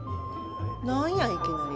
何やいきなり。